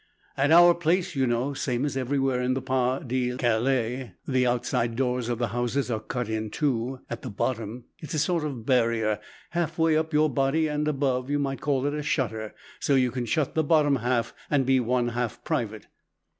"At our place, you know, same as everywhere in the Pas de Calais, the outside doors of the houses are cut in two. At the bottom, it's a sort of barrier, half way up your body; and above, you might call it a shutter. So you can shut the bottom half and be one half private.